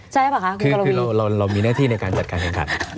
ใช่หรือเปล่าคะคุณกะละวีคุณกะละวีคุณกะละวีคือเรามีหน้าที่ในการจัดการแข่งขัน